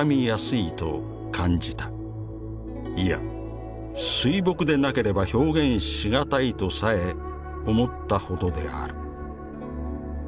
いや水墨でなければ表現し難いとさえ思ったほどである」。